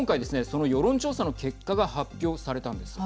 その世論調査の結果が発表されたんです。